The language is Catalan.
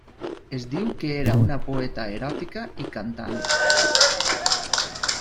Es diu que era una poeta eròtica i cantant.